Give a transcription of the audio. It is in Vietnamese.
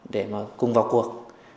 để mà cùng vào cuộc